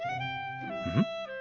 うん？